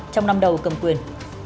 trong năm đầu cầm quyền